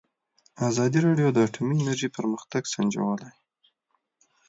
ازادي راډیو د اټومي انرژي پرمختګ سنجولی.